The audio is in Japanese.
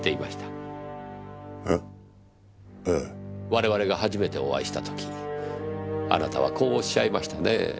我々が初めてお会いした時あなたはこうおっしゃいましたねぇ。